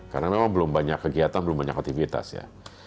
karena memang belum banyak kegiatan belum banyak aktivitas ya